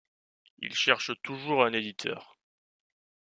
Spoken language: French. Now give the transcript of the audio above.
Il cherche toujours un éditeur.